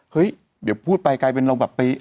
เฮ้ยเดี๋ยวพูดไปกลายเป็นเราแบบไป